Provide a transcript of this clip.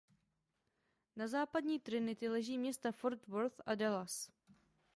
Na Západní Trinity leží města Fort Worth a Dallas.